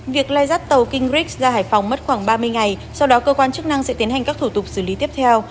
việc lai rắt tàu kingrics ra hải phòng mất khoảng ba mươi ngày sau đó cơ quan chức năng sẽ tiến hành các thủ tục xử lý tiếp theo